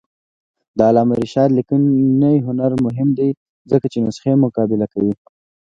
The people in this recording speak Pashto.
د علامه رشاد لیکنی هنر مهم دی ځکه چې نسخې مقابله کوي.